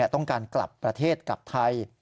ต้องการกลับประเทศกลับไทย